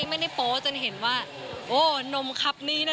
ไม่ได้โป๊จนเห็นว่าโอ้นมคับนี้นะ